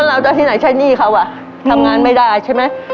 เราจะที่ไหนใช้หนี้เขาอ่ะทำงานไม่ได้ใช่ไหม